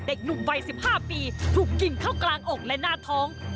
เด็กหนุ่มวัย๑๕ปีถูกยิงเข้ากลางอกและหน้าท้อง